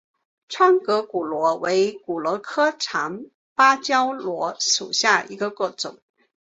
窗格骨螺为骨螺科长芭蕉螺属下的一个种。